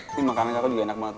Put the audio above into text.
ini makannya kakak juga enak banget